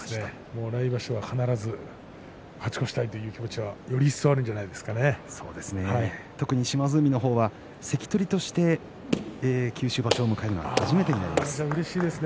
もう来場所は必ず勝ち越したいという気持ちがより特に島津海は関取として九州場所を迎えるのは初めてになります。